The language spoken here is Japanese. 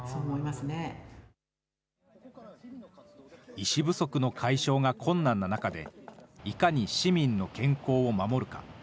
医師不足の解消が困難な中で、いかに市民の健康を守るか。